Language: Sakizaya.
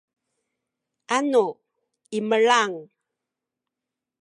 anu imelang